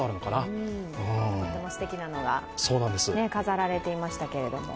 とてもすてきなのが飾られていましたけども。